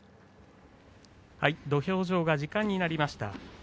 土俵上が時間になりました。